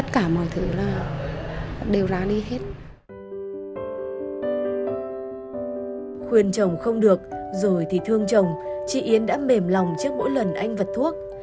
khuyên trồng không được rồi thì thương chồng chị yến đã mềm lòng trước mỗi lần anh vật thuốc